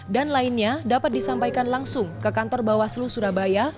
dan lainnya dapat disampaikan langsung ke kantor bawaslu surabaya